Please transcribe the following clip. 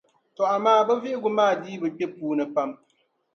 Tͻ amaa bɛ vihigu maa dii bi kpe puuni pam.